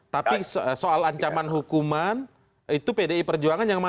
tapi soal ancaman hukuman itu pdi perjuangan yang mana